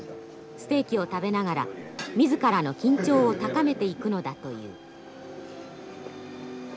ステーキを食べながら自らの緊張を高めていくのだという。